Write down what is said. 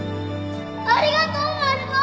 ありがとうマルモ